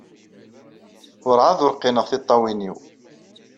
Werɛad ur qqineɣ tiṭṭawin-inu.